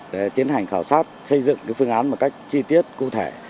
để tiến hành khảo sát xây dựng phương án một cách chi tiết cụ thể